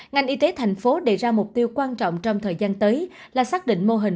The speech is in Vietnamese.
ngành y tế thành phố đề ra mục tiêu quan trọng trong thời gian tới là xác định mô hình